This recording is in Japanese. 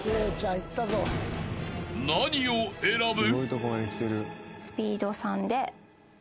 ［何を選ぶ？］